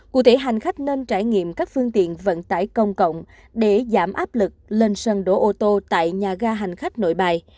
cụ thể hành khách nên trải nghiệm các phương tiện vận tải công cộng để giảm áp lực lên sân đổ ô tô tại nhà ga hành khách nội bài